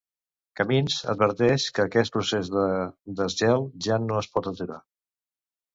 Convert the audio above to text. Camins adverteix que aquest procés de desgel ja no es pot aturar.